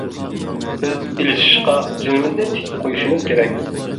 بىز ئېلىشىشقا جېنىمىزنى تىكىپ قۇيۇشىمىز كېرەك.